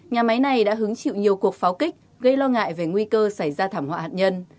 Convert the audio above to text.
nhà máy này đã hứng chịu nhiều cuộc pháo kích gây lo ngại về nguy cơ xảy ra thảm họa hạt nhân